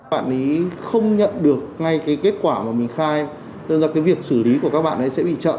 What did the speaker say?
bạn ý không nhận được ngay cái kết quả mà mình khai nên ra cái việc xử lý của các bạn ấy sẽ bị trợ